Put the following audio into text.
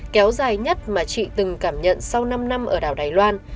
kéo dài nhất mà chị từng cảm nhận sau năm năm ở đảo đài loan